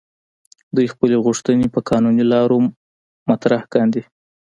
دوی خپلې غوښتنې په قانوني لارو مطرح کاندي.